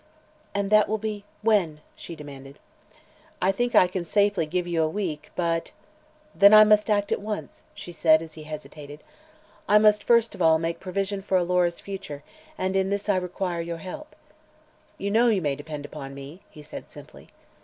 "And that will be when?" she demanded. "I think I can safely give you a week but " "Then I must act at once," she said, as he hesitated. "I must, first of all, make provision for Alora's future, and in this I require your help." "You know you may depend upon me," he said simply.